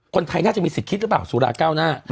คนไทยน่าจะมีสิทธิ์คิดหรือเปล่าสุราเก้าหน้า